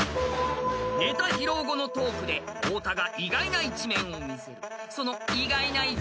［ネタ披露後のトークで太田が意外な一面を見せる］